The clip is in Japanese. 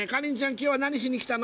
今日は何しに来たの？